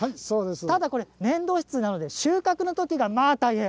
ただ、粘土質なので収穫の時は、まあ大変。